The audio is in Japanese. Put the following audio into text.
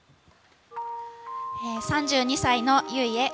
３２歳の優衣へ。